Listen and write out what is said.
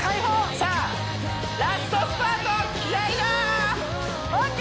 さあラストスパート気合いだ！ＯＫ！